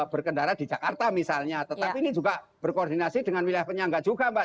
berkendara di jakarta misalnya tetapi ini juga berkoordinasi dengan wilayah penyangga juga mbak